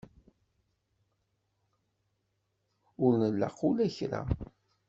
Ur nlaq ula i kra.